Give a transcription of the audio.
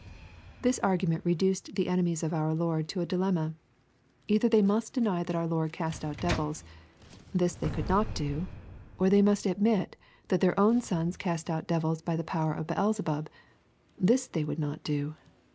— This argument reduced the enemies of our Lord to a dilemma. Either they must deny that our Lord cast out devils, — this they could not do j — or else they must admit that their own sons cast out devils by the power of Beelzebub ;— ^this they would not do.